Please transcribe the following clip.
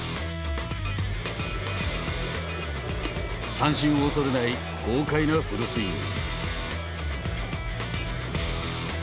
三振を恐れない豪快なフルスイング。